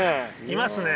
いますね！